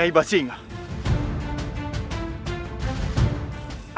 tidak ada yang bisa membantu